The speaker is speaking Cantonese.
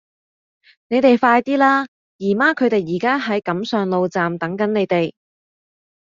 你哋快啲啦!姨媽佢哋而家喺錦上路站等緊你哋